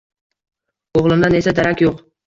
O`g`limdan esa darak yo`q